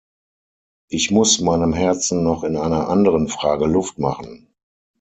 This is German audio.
Ich muss meinem Herzen noch in einer anderen Frage Luft machen.